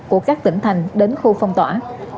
của các tỉnh thành đến khu phong tỏa